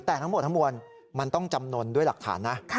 แต่ทั้งหมดทั้งมวลมันต้องจำนวนด้วยหลักฐานนะ